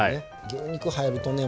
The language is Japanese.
牛肉入るとね